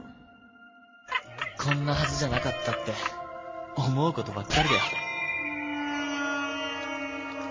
こんなはずじゃなかったって思うことばっかりだよ